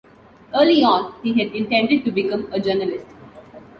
Early on, he had intended to become a journalist.